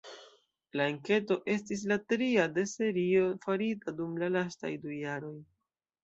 La enketo estis la tria de serio farita dum la lastaj du jaroj.